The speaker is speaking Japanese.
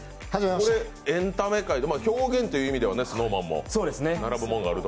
これエンタメ界表現という意味ではＳｎｏｗＭａｎも並ぶものがある。